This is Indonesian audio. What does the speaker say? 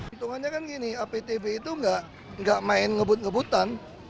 hitungannya kan gini aptb itu nggak main ngebut ngebutan